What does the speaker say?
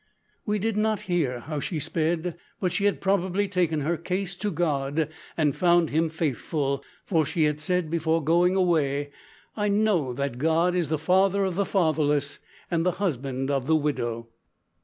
We did not hear how she sped, but she had probably taken her case to God, and found Him faithful, for she had said, before going away, `I know that God is the Father of the fatherless, and the husband of the widow.'